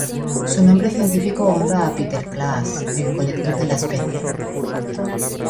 Su nombre científico honra a Peter Klaas, el colector de la especie.